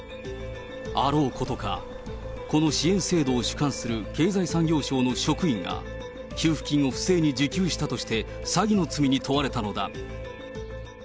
あろうことか、この支援制度を主管する経済産業省の職員が、給付金を不正に受給したとして、詐欺の罪に問われたのだ。